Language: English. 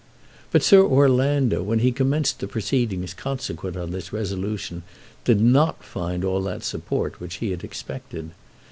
But Sir Orlando, when he commenced the proceedings consequent on this resolution, did not find all that support which he had expected.